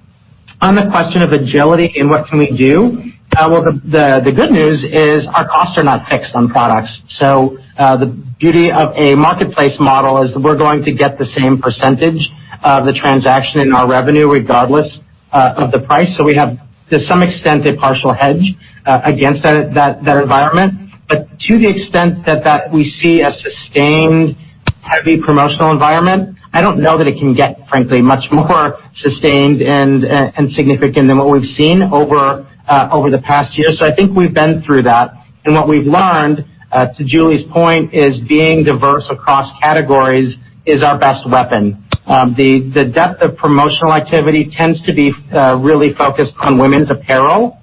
on the question of agility and what can we do, well, the good news is our costs are not fixed on products. The beauty of a marketplace model is we're going to get the same percentage of the transaction in our revenue, regardless of the price. We have, to some extent, a partial hedge against that environment. To the extent that we see a sustained, heavy promotional environment, I don't know that it can get, frankly, much more sustained and significant than what we've seen over the past year. I think we've been through that. What we've learned, to Julie's point, is being diverse across categories is our best weapon. The depth of promotional activity tends to be really focused on women's apparel,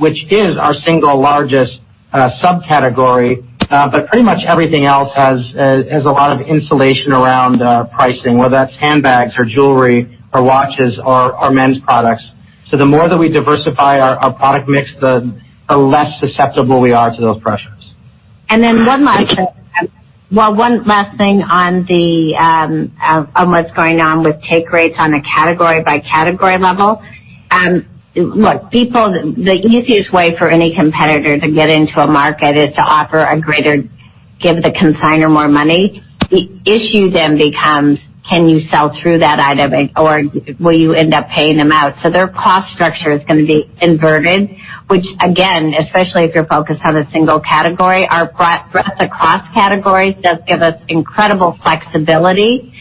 which is our single largest subcategory. Pretty much everything else has a lot of insulation around pricing, whether that's handbags or jewelry or watches or men's products. The more that we diversify our product mix, the less susceptible we are to those pressures. One last thing on what's going on with take rates on a category-by-category level. Look, the easiest way for any competitor to get into a market is to offer a greater give the consignor more money. The issue then becomes, can you sell through that item, or will you end up paying them out? Their cost structure is going to be inverted, which again, especially if you're focused on a single category, our breadth across categories does give us incredible flexibility.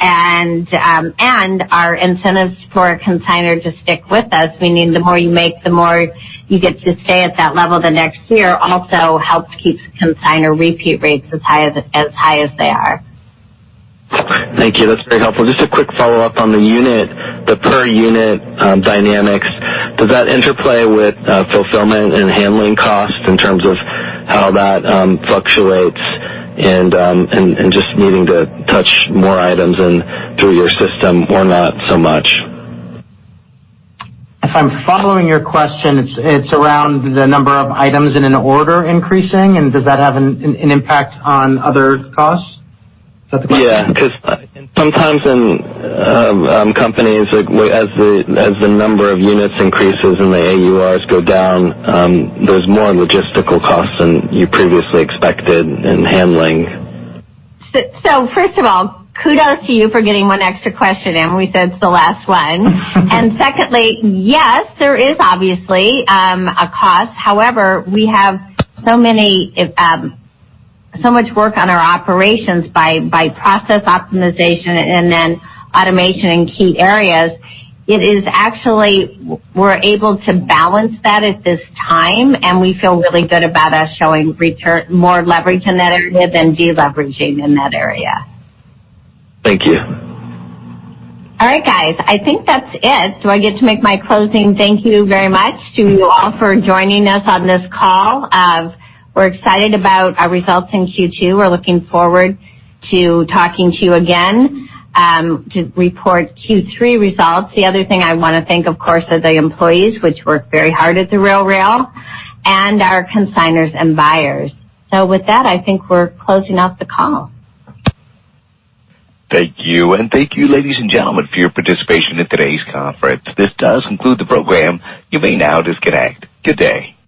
Our incentives for a consignor to stick with us, meaning the more you make, the more you get to stay at that level the next year, also helps keep consignor repeat rates as high as they are. Thank you. That's very helpful. Just a quick follow-up on the unit, the per unit dynamics. Does that interplay with fulfillment and handling costs in terms of how that fluctuates and just needing to touch more items and through your system, or not so much? If I'm following your question, it's around the number of items in an order increasing, and does that have an impact on other costs? Is that the question? Yeah. Sometimes in companies, as the number of units increases and the AUR go down, there's more logistical costs than you previously expected in handling. First of all, kudos to you for getting one extra question in when we said it's the last one. Secondly, yes, there is obviously a cost. However, we have so much work on our operations by process optimization and then automation in key areas. It is actually, we're able to balance that at this time, and we feel really good about us showing more leverage in that area than de-leveraging in that area. Thank you. All right, guys. I think that's it. Do I get to make my closing thank you very much to you all for joining us on this call? We're excited about our results in Q2. We're looking forward to talking to you again to report Q3 results. The other thing I want to thank, of course, are the employees, which work very hard at The RealReal, and our consignors and buyers. With that, I think we're closing out the call. Thank you. Thank you, ladies and gentlemen, for your participation in today's conference. This does conclude the program. You may now disconnect. Good day.